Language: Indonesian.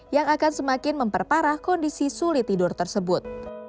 yang akan semakin memperparah kondisi sulit tidur tersebut